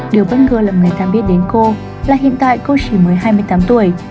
điều bất ngờ là người ta biết đến cô là hiện tại cô chỉ mới hai mươi tám tuổi